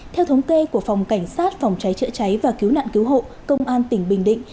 theo thống kê của phòng cảnh sát phòng cháy chữa cháy và cứu nạn cứu hộ công an tỉnh bình định